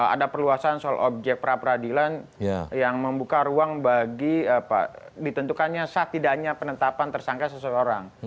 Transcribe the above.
ada perluasan soal objek perapradilan yang membuka ruang bagi ditentukannya saat tidaknya penetapan tersangka seseorang